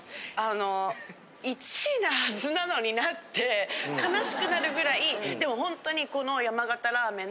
あの１位なはずなのになって悲しくなるぐらいでもほんとに。